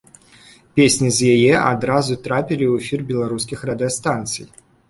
Песні з яе адразу трапілі у эфір беларускіх радыёстанцый.